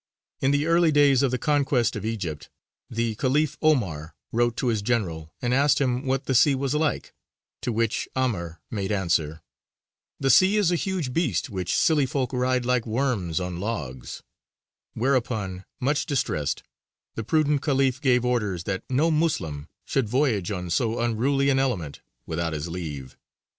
In the early days of the conquest of Egypt the Khalif 'Omar wrote to his general and asked him what the sea was like, to which 'Amr made answer: "The Sea is a huge beast which silly folk ride like worms on logs;" whereupon, much distressed, the prudent Khalif gave orders that no Moslem should voyage on so unruly an element without his leave.